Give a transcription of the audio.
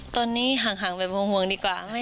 ตอนนี้ห่างไปห่วงดีกว่าไม่